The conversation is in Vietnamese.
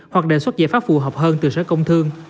hoặc đề xuất giải pháp phù hợp hơn từ sở công thương